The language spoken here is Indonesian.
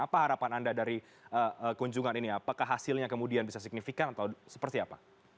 apa harapan anda dari kunjungan ini apakah hasilnya kemudian bisa signifikan atau seperti apa